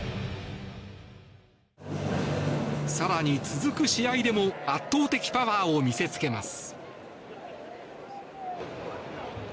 更に続く試合でも圧倒的パワーを見せつけます。